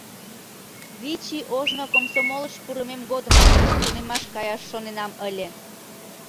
Вич ий ожно комсомолыш пурымем годымак тунемаш каяш шоненам ыле...